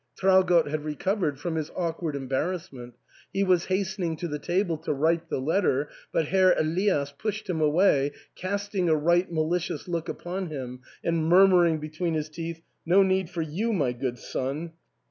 Traugott had recovered from his awkward em barrassment ; he was hastening to the table to write the letter, but Herr Elias pushed him away, casting a right malicious look upon him, and murmuring between his teeth, " No need for you, my good son